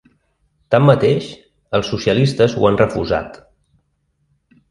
Tanmateix, els socialistes ho han refusat.